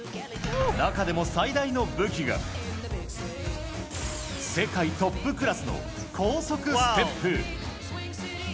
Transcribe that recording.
中でも最大の武器が、世界トップクラスの高速ステップ。